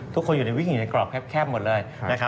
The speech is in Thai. ทุกคนอยู่ในวิ่งอยู่ในกรอบแคบหมดเลยนะครับ